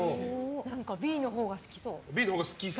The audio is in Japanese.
Ｂのほうが好きそう。